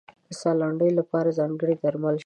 د ساه لنډۍ لپاره ځانګړي درمل شته.